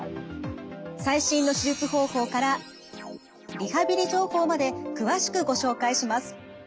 最新の手術方法からリハビリ情報まで詳しくご紹介します。